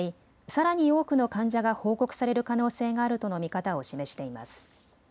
さらに多くの患者が報告される可能性があるとの見方を示しています。